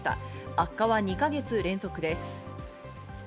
悪化は２か月連続です。